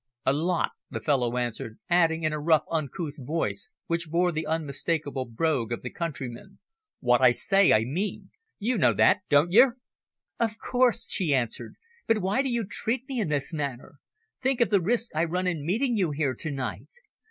"A lot," the fellow answered, adding in a rough, uncouth voice which bore the unmistakable brogue of the countryman, "What I say I mean. You know that, don't yer?" "Of course," she answered. "But why do you treat me in this manner? Think of the risks I run in meeting you here to night.